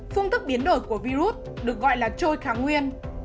phương thức biến đổi của virus được gọi là trôi kháng nguyên